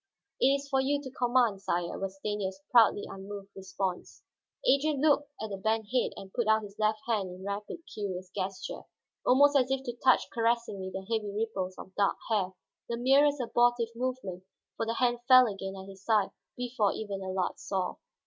"It is for you to command, sire," was Stanief's proudly unmoved response. Adrian looked down at the bent head and put out his left hand in rapid, curious gesture, almost as if to touch caressingly the heavy ripples of dark hair, the merest abortive movement, for the hand fell again at his side before even Allard saw.